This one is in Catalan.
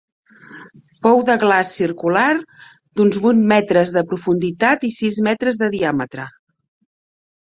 Pou de glaç circular d'uns vuit metres de profunditat i sis metres de diàmetre.